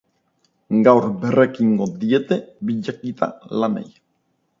Gaur berrekingo diete bilaketa lanei.